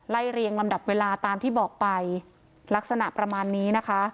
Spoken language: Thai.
เรียงลำดับเวลาตามที่บอกไปลักษณะประมาณนี้นะคะ